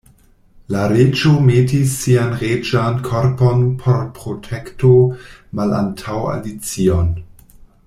La Reĝo metis sian reĝan korpon por protekto malantaŭ Alicion.